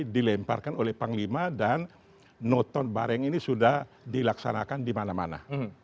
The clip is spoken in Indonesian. dilemparkan oleh panglima dan nonton bareng ini sudah dilaksanakan di mana mana